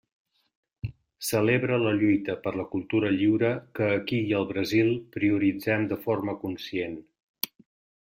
Celebra la lluita per la cultura lliure que aquí i al Brasil prioritzem de forma conscient.